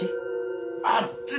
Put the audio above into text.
あっち？